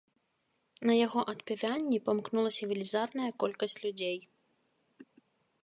На яго адпяванні памкнулася велізарная колькасць людзей.